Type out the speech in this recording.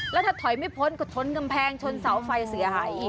แล้วถ้าถอยไม่พ้นก็ชนกำแพงชนเสาไฟเสียหาย